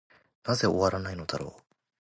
なぜ終わないのだろう。